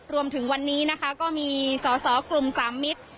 รวมถึงวันนี้นะคะก็มีสอสอกลุ่มสามมิตร